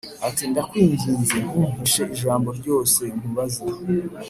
ati “Ndakwinginze, ntumpishe ijambo ryose nkubaza.”